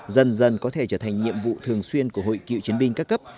dần dần có thể trở thành nhiệm vụ thường xuyên của hội cựu chiến binh các cấp